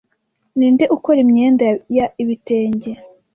Ninde ukora imyenda ya ibitenge